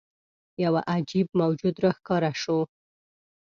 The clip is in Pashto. یوه عجيب موجود راښکاره شو.